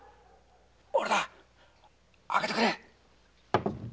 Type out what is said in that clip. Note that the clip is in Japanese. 俺だ開けてくれ！